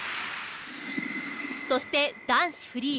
そして男子フリー。